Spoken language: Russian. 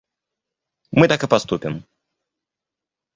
Мы так и поступим.